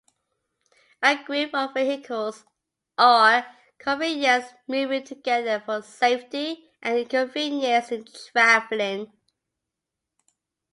A group of vehicles or conveyances moving together for safety and convenience in traveling.